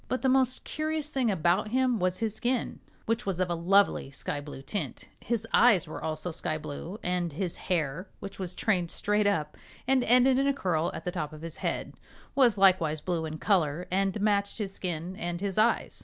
But the most curious thing about him was his skin, which was of a lovely sky blue tint. His eyes were also sky blue, and his hair, which was trained straight up and ended in a curl at the top of his head, was likewise blue in color and matched his skin and his eyes.